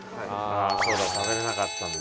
そうだ食べられなかったんだ。